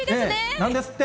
なんですって？